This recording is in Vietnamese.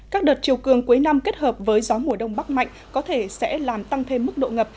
các đợt chiều cường cuối năm kết hợp với gió mùa đông bắc mạnh có thể sẽ làm tăng thêm mức độ ngập